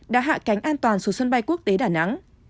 đã hạ cánh an toàn xuống sân bay quốc tế đà nẵng